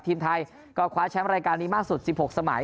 ทีมไทยก็คว้าแชมป์รายการนี้มากสุด๑๖สมัย